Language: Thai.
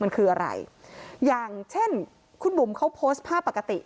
มันคืออะไรอย่างเช่นคุณบุ๋มเขาโพสต์ภาพปกติ